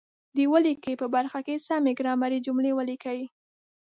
د ولیکئ په برخه کې سمې ګرامري جملې ولیکئ.